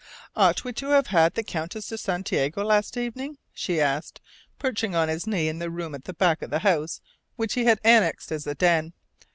"Ought we to have had the Countess de Santiago last evening?" she asked, perching on his knee in the room at the back of the house which he had annexed as a "den."